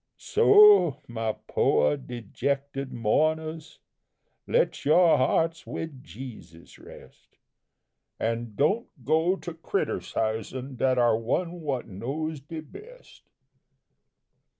"So, my pooah dejected mounahs, let your hearts wid Jesus rest, An' don't go to critercisin' dat ar One w'at knows the best!